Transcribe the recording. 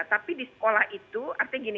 tapi di sekolah itu artinya gini